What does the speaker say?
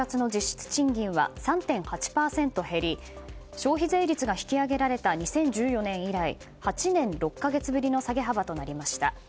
消費税率が引き上げられた２０１４年以来８年６か月ぶりの下げ幅となりました。